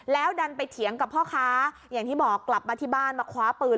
แล้วดันไปเถียงกับพ่อค้าอย่างที่บอกกลับมาที่บ้านมาคว้าปืน